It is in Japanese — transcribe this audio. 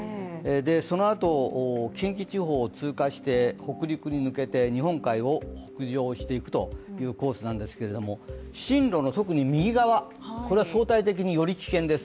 そのあと近畿地方を通過して北陸に抜けて日本海を北上していくコースなんですけど進路の特に右側これが相対的により危険です。